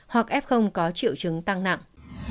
hoặc f có triệu chứng tăng nặng